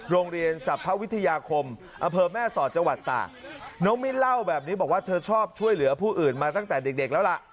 สรรพวิทยาคมอำเภอแม่สอดจังหวัดตากน้องมิ้นเล่าแบบนี้บอกว่าเธอชอบช่วยเหลือผู้อื่นมาตั้งแต่เด็กเด็กแล้วล่ะ